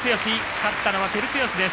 勝ったのは照強です。